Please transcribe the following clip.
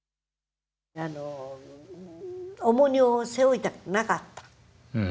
重荷を背負いたくなかった。